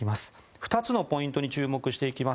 ２つのポイントに注目していきます。